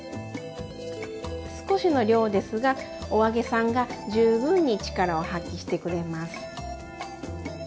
少しの量ですがお揚げさんが十分に力を発揮してくれます。